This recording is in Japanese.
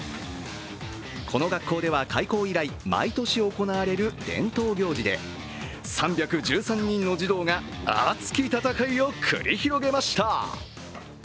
この学校では開校以来毎年行われる伝統行事で３１３人の児童が熱き戦いを繰り広げました。